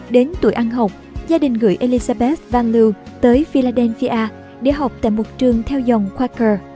đến tuổi ăn học gia đình gửi elizabeth van loo tới philadelphia để học tại một trường theo dòng quaker